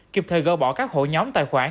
kịp thời gỡ bỏ các hội nhóm tài khoản